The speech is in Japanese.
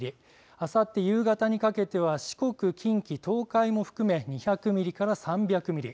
あさって夕方にかけては近畿、東海も含め２００ミリから３００ミリ